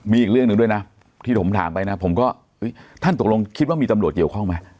มีอีกเรื่องหนึ่งด้วยนะที่ผมถามไปนะผมก็ท่านตกลงคิดว่ามีตำรวจเกี่ยวข้องไหม